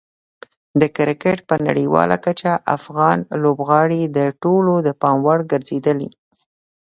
د کرکټ په نړیواله کچه افغان لوبغاړي د ټولو د پام وړ ګرځېدلي.